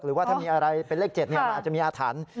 หรือว่าถ้ามีอะไรเป็นเลข๗มันอาจจะมีอาถรรพ์